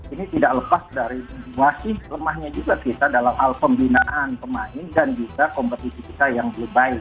ini tidak lepas dari masih lemahnya juga kita dalam hal pembinaan pemain dan juga kompetisi kita yang lebih baik